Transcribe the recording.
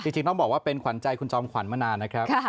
จริงต้องบอกว่าเป็นขวัญใจคุณจอมขวัญมานานนะครับ